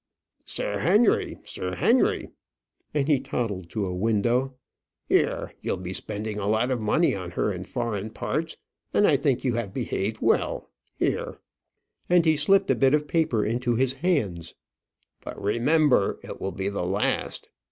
"Sir Henry, Sir Henry," and he toddled to a window. "Here; you'll be spending a lot of money on her in foreign parts, and I think you have behaved well; here," and he slipped a bit of paper into his hands. "But, remember, it will be the last.